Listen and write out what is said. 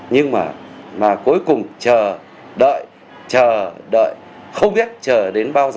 nhưng mà cuối cùng chờ đợi chờ đợi không biết chờ đến bao giờ